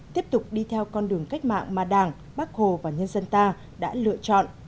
tiếp tục đi theo con đường cách mạng mà đảng bác hồ và nhân dân ta đã lựa chọn